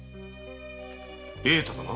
栄太だな。